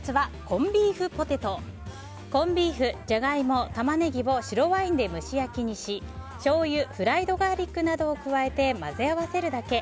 コンビーフ、ジャガイモタマネギを白ワインで蒸し焼きにししょうゆフライドガーリックなどを加えて混ぜ合わせるだけ。